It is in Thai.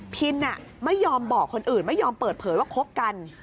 พินไม่ยอมบอกคนอื่นไม่ยอมเปิดเผยว่าคบกัน